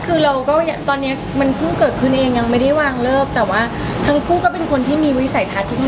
เพิ่งเกิดเองยังไม่ได้วางเลิกแต่ว่าทั้งผู้ก็เป็นคนที่มีวิสัยทัศน์จู่ข้าง